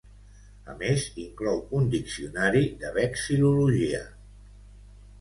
A més inclou un diccionari de vexil·lologia.